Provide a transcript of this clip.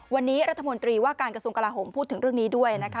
วันนี้รัฐมนตรีว่าการกระทรวงกลาโหมพูดถึงเรื่องนี้ด้วยนะคะ